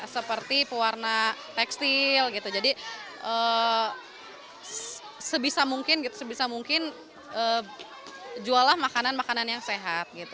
seperti pewarna tekstil gitu jadi sebisa mungkin juallah makanan makanan yang sehat